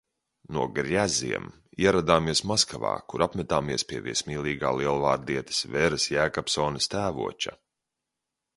No Grjaziem ieradāmies Maskavā, kur apmetāmies pie viesmīlīgā lielvārdietes Veras Jēkabsones tēvoča.